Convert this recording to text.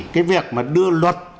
cái việc mà đưa luật